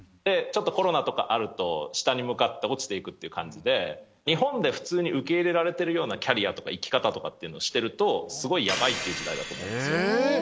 ちょっとコロナとかあると、下に向かって落ちていくっていう感じで、日本で普通に受け入れられているようなキャリアとか生き方とかっていうのをしてると、すごいやばいっていう時代だと思うんですよ。